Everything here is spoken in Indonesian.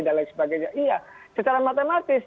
dan lain sebagainya iya secara matematis